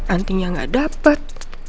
andin yang gak dapet